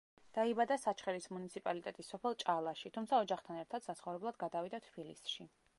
დაიბადა საჩხერის მუნიციპალიტეტის სოფელ ჭალაში, თუმცა ოჯახთან ერთად საცხოვრებლად გადავიდა თბილისში.